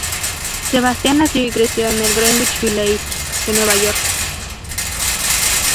Sebastian nació y creció en el Greenwich Village de Nueva York.